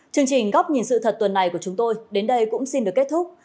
chương trình góc nhìn sự thật tuần này của chúng tôi đến đây cũng xin được kết thúc